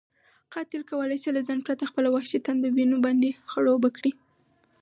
قاتل کولی شي له ځنډ پرته خپله وحشي تنده وینو باندې خړوبه کړي.